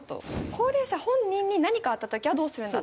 高齢者本人に何かあった時はどうするんだ。